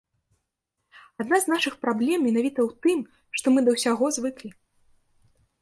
Адна з нашых праблем менавіта ў тым, што мы да ўсяго звыклі.